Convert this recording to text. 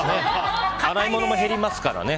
洗い物も減りますからね。